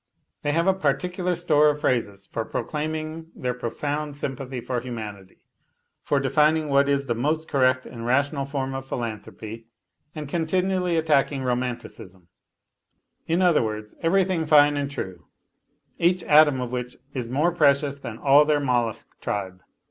They have a particular store of phrases for proclaiming their profound sympathy for humanity, for defining what is the 234 A LITTLE HERO most correct and rational form of philanthropy, and continual!; attacking romanticism, in other words, everything fine am true, each atom of which is more precious than all their mollus tribe.